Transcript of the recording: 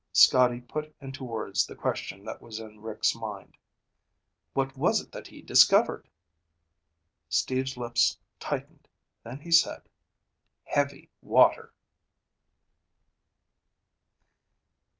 Scotty put into words the question that was in Rick's mind. "What was it that he discovered?" Steve's lips tightened, then he said: "_Heavy water!